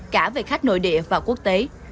cả về khách nội địa và quốc tế